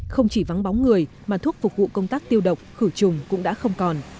không chỉ vắng bóng người mà thuốc phục vụ công tác tiêu độc khử trùng cũng đã không còn